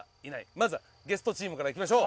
まずはゲストチームからいきましょう。